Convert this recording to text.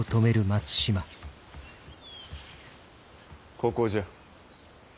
ここじゃ。